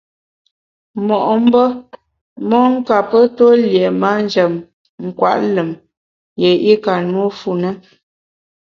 Mo’mbe mon kape tue lié manjem nkwet lùm yié i ka nùe fu na.